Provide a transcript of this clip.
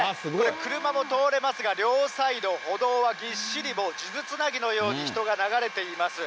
車も通れますが、両サイド、歩道はぎっしりもう数珠つなぎのように人が流れています。